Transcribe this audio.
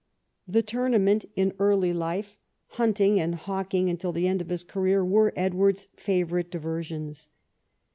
The tournament in early life, hunting and hawking until the end of his career, were Edward's favourite diversions.